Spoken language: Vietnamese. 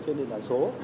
trên nền tảng số